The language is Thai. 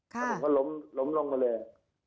แล้วผมก็ล้มลงมาเลย